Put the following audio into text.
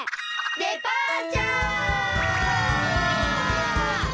デパーチャー！